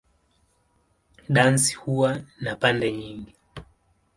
Dansi huwa na pande nyingi.